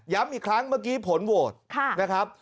อีกครั้งเมื่อกี้ผลโหวตนะครับ